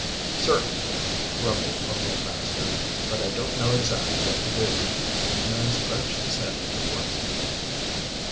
"Certainly," grumbled Arnold Baxter. "But I don't know exactly what to do," and the man scratched his head in perplexity.